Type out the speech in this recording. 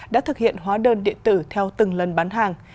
đã thực hiện hóa đơn điện tử theo từng lần bán hàng